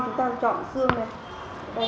chúng ta sẽ chọn xương đây didn t